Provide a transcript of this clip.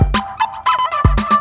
kau mau kemana